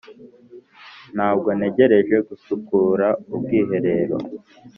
ntabwo ntegereje gusukura ubwiherero.